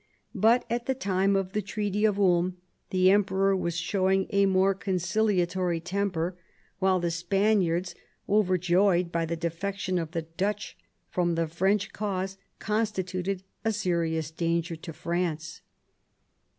But at the time of the Treaty of Ulm the Emperor was showing a more conciliatory temper, while the Spaniards, 46 MAZARIN chap. overjoyed by the defection of the Dutch from the French cause, constituted a serious danger to France.